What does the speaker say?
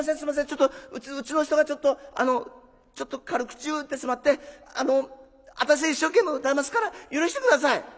ちょっとうちの人がちょっとあのちょっと軽口を言ってしまってあの私一生懸命歌いますから許して下さい」。